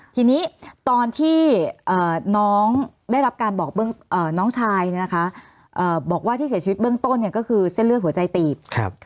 ทีนี้ตอนที่น้องได้รับการบอกน้องชายเนี่ยนะคะบอกว่าที่เสียชีวิตเบื้องต้นเนี่ยก็คือเส้นเลือดหัวใจตีบ